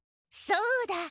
そうだ！